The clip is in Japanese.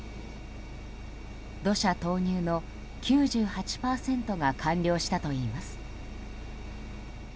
土砂投入の９８％が完了したといいます。